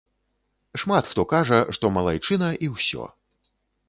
Шмат хто кажа, што малайчына, і ўсё.